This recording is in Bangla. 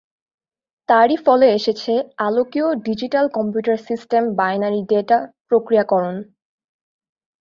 তারই ফলে এসেছে আলোকীয় digital computer system binary data প্রক্রিয়াকরণ।